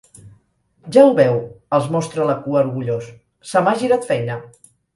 Ja ho veu —els mostra la cua, orgullós—, se m'ha girat feina!